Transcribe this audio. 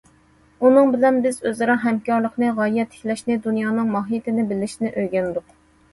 ئۇنىڭ بىلەن بىز ئۆزئارا ھەمكارلىقنى، غايە تىكلەشنى، دۇنيانىڭ ماھىيىتىنى بىلىشنى ئۆگەندۇق.